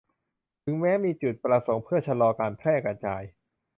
ซึ่งแม้มีจุดประสงค์เพื่อชะลอการแพร่กระจาย